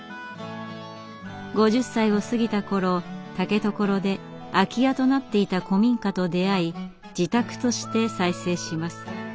５０歳を過ぎた頃竹所で空き家となっていた古民家と出会い自宅として再生します。